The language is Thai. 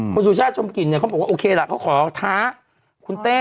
คุณสุชาติชมกลิ่นเนี่ยเขาบอกว่าโอเคล่ะเขาขอท้าคุณเต้